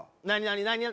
何？